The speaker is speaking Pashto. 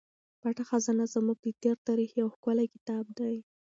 پټه خزانه زموږ د تېر تاریخ یو ښکلی کتاب دی.